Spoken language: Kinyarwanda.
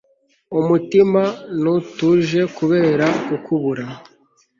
umutima ntutuje kubera kukubura